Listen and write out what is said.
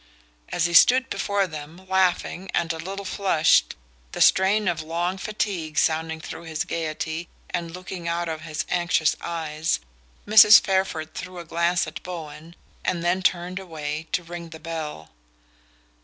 As he stood before them, laughing and a little flushed, the strain of long fatigue sounding through his gaiety and looking out of his anxious eyes, Mrs. Fairford threw a glance at Bowen and then turned away to ring the bell.